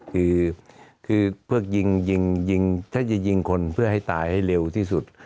คือถ้าจะยิงคนเพื่อให้ตายให้เร็วที่สุด